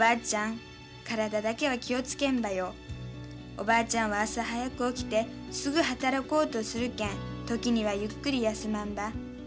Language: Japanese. おばあちゃんは朝早く起きてすぐ働こうとするけん時にはゆっくり休まんば。